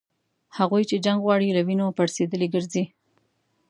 هغوی چي جنګ غواړي له وینو پړسېدلي ګرځي